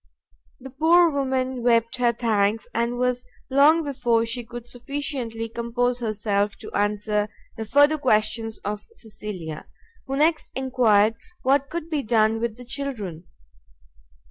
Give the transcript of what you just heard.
The poor woman wept her thanks, and was long before she could sufficiently compose herself to answer the further questions of Cecilia, who next enquired what could be done with the children?